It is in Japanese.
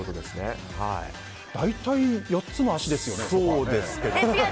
大体４つの脚ですよね、ソファ。